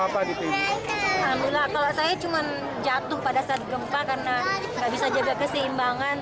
alhamdulillah kalau saya cuma jatuh pada saat gempa karena nggak bisa jaga keseimbangan